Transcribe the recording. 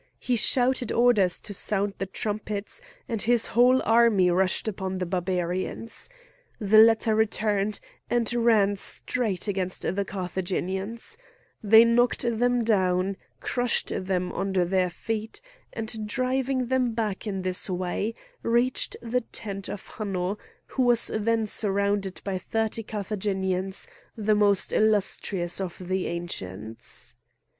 He shouted orders to sound the trumpets, and his whole army rushed upon the Barbarians. The latter returned, and ran straight against the Carthaginians; they knocked them down, crushed them under their feet, and, driving them back in this way, reached the tent of Hanno, who was then surrounded by thirty Carthaginians, the most illustrious of the Ancients.